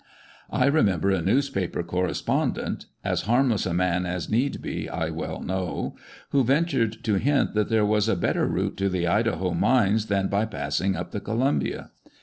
I remember a newspaper correspondent (as harmless a man as need be, I well know) who ventured to hint that there was a better route to the Idaho mines than by passing up the Columbia.